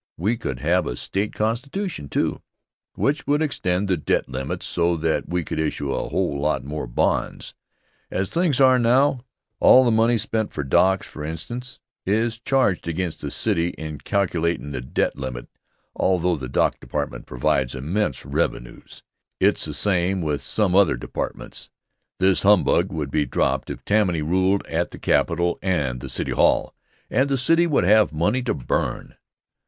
We could have a state constitution, too, which would extend the debt limit so that we could issue a whole lot more bonds. As things are now, all the money spent for docks, for instance, is charged against the city in calculatin' the debt limit, although the Dock Department provides immense revenues. It's the same with some other departments. This humbug would be dropped if Tammany ruled at the Capitol and the City Hall, and the city would have money to burn.